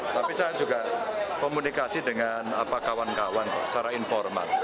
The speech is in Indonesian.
tapi saya juga komunikasi dengan kawan kawan secara informal